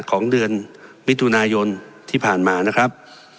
ของเดือนมิถุนายนที่ผ่านมานะครับ